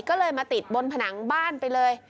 ก็เลยมาติดบนผนังบ้านไปเลย